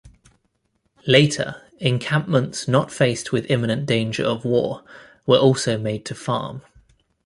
Later, encampments not faced with imminent danger of war were also made to farm.